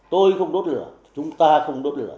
tôi không đốt lửa chúng ta không đốt lửa